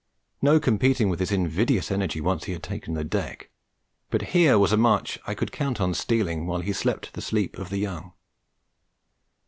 No competing with his invidious energy once he had taken the deck; but here was a march I could count on stealing while he slept the sleep of the young.